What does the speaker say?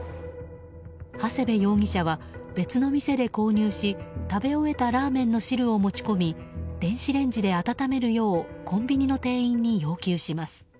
ハセベ容疑者は別の店で購入し食べ終えたラーメンの汁を持ち込み電子レンジで温めるようコンビニの店員に要求します。